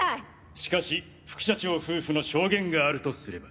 しかし副社長夫婦の証言があるとすれば？